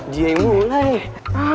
dia yang mulai